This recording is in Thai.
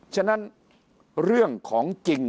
ฉะนั้นเรื่องของจริง